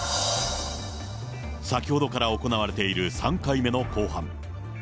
先ほどから行われている３回目の公判。